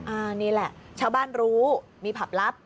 อันนี้แหละชาวบ้านรู้มีผับลับ